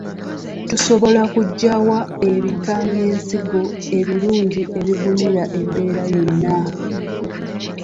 Tusobola kuggyawa ebika by'ensigo ebirungi ebigumira embeera yonna?